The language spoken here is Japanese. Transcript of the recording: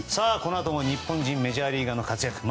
このあとも日本人メジャーリーガーの活躍